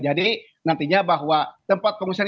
jadi nantinya bahwa tempat pengungsian